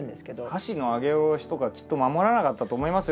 箸の上げ下ろしとかきっと守らなかったと思いますよ。